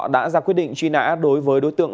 đã ra quyết định truy nã đối với đối tượng